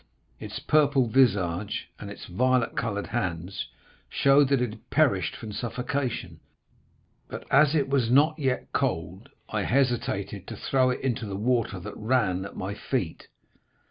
Its purple visage, and its violet colored hands showed that it had perished from suffocation, but as it was not yet cold, I hesitated to throw it into the water that ran at my feet.